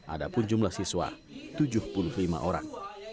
ada pun jumlah siswa tujuh puluh lima orang